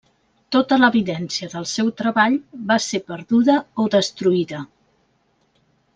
Tota l'evidència del seu treball va ser perduda o destruïda.